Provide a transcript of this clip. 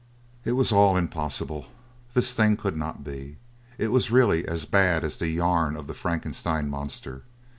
It was all impossible. This thing could not be. It was really as bad as the yarn of the Frankenstein monster.